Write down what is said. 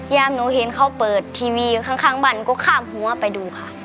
หนูเห็นเขาเปิดทีวีอยู่ข้างบ้านก็ข้ามหัวไปดูค่ะ